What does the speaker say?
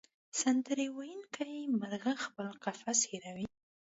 سندرې ویونکې مرغۍ خپل قفس هېروي.